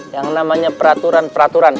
yang namanya peraturan peraturan